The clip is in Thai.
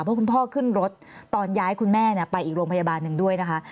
เพราะคุณพ่อขึ้นรถตอนย้ายคุณแม่ไปอีกโรงพยาบาลหนึ่งด้วยนะคะ